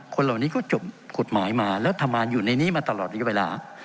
คนเหล่านี้ก็จบกฎหมายมาแล้วทำงานอยู่ในนี้มาตลอดระยะเวลา